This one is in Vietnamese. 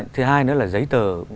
thứ hai nữa là giấy tờ